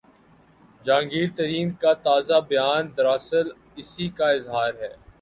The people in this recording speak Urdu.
جہانگیر ترین کا تازہ بیان دراصل اسی کا اظہار ہے۔